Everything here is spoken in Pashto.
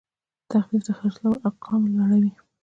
تخفیف د خرڅلاو ارقام لوړوي.